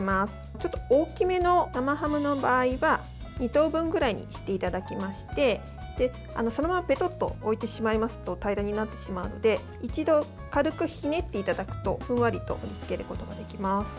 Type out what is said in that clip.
ちょっと大きめの生ハムの場合は２等分ぐらいにしていただきましてそのままべとっと置いてしまいますと平らになってしまって一度、軽くひねっていただくとふんわりと盛りつけることができます。